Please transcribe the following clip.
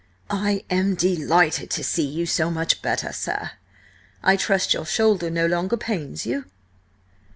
"I am delighted to see you so much better, sir. I trust your shoulder no longer pains you?"